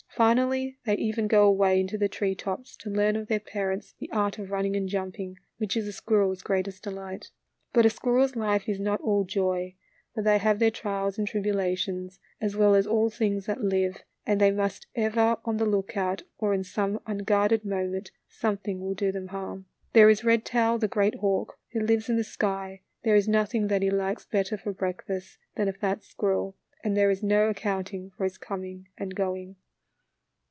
Finally they even go away into the tree tops to learn of their parents the art of running and jumping, which is a squirrel's greatest delight. But a squirrel's life is not all joy, for they have their trials and tribulations as well as all things that live, and they must be ever on the lookout or in some unguarded moment some thing will do them harm. There is Redtail, the great hawk, who lives in the sky. There is nothing that he likes better for breakfast than a fat squirrel , and there is no accounting for his coming and going.